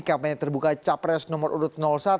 kampanye terbuka capres nomor urut satu